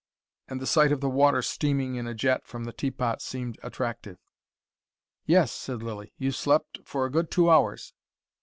And the sight of the water steaming in a jet from the teapot seemed attractive. "Yes," said Lilly. "You've slept for a good two hours."